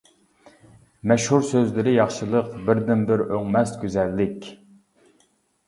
مەشھۇر سۆزلىرى ياخشىلىق بىردىنبىر ئۆڭمەس گۈزەللىك.